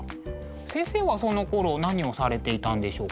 先生はそのころ何をされていたんでしょうか？